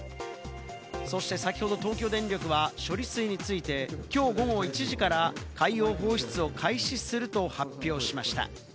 そして先ほど東京電力は処理水についてきょう午後１時から海洋放出を開始すると発表しました。